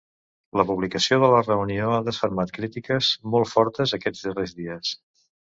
La publicació de la reunió ha desfermat crítiques molt fortes aquests darrers dies.